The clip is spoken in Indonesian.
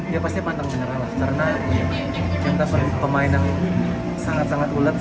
dia pasti pantang benar karena kita pemain yang sangat sangat ulat